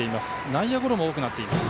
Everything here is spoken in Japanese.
内野ゴロも多くなっています。